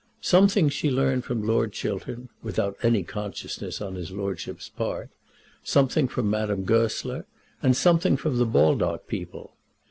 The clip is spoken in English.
Something she learned from Lord Chiltern, without any consciousness on his lordship's part, something from Madame Goesler, and something from the Baldock people.